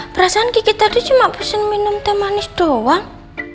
perasaan gigit tadi cuma pesen minum teh manis doang